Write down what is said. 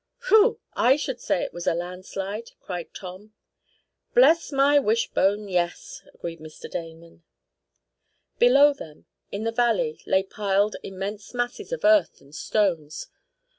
"Whew! I should say it was a landslide!" cried Tom. "Bless my wishbone, yes!" agreed Mr. Damon. Below them, in the valley, lay piled immense masses of earth and stones.